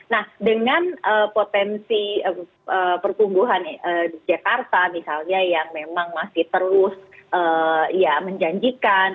nah dengan potensi perpumbuhan jakarta misalnya yang memang masih terus ya menjanjikan